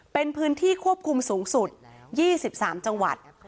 เป็นพื้นที่ควบคุมสูงสุด๒๓จังหวัด